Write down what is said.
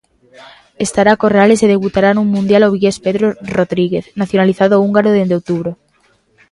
Estará Corrales e debutará nun mundial o vigués Pedro Rodríguez, nacionalizado húngaro dende outubro.